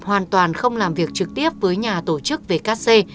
hoàn toàn không làm việc trực tiếp với nhà tổ chức về cắt xe